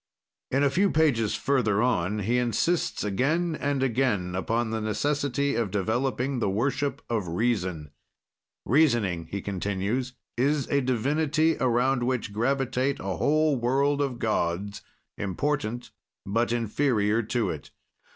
In a few pages further on he insists again and again upon the necessity of developing the worship of reason. "Reasoning," he continues, "is a divinity, around which gravitate a whole world of gods, important but inferior to it.